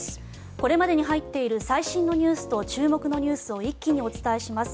これまでに入っている最新ニュースと注目ニュースを一気にお伝えします。